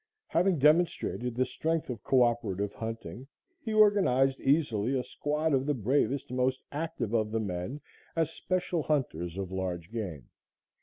Having demonstrated the strength of coöperative hunting, he organized easily a squad of the bravest and most active of the men as special hunters of large game.